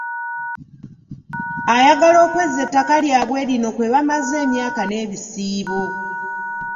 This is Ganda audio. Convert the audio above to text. Ayagala okwezza ettaka lyabwe lino kwe bamaze emyaka n’ebisiibo.